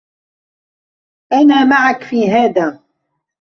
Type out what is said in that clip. أنا معك في هذا.